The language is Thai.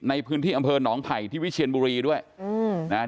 ในพื้นที่อำเภอหนองไผ่ที่วิเชียนบุรีด้วยอืมนะฮะ